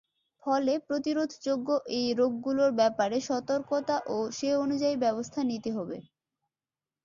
ফলে প্রতিরোধযোগ্য এই রোগগুলোর ব্যাপারে সতর্কতা ও সে অনুযায়ী ব্যবস্থা নিতে হবে।